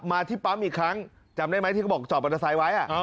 ที่ปั๊มอีกครั้งจำได้ไหมที่เขาบอกจอดมอเตอร์ไซค์ไว้